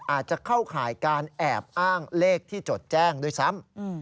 อาจจะเข้าข่ายการแอบอ้างเลขที่จดแจ้งด้วยซ้ำ